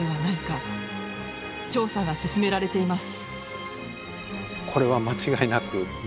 調査が進められています。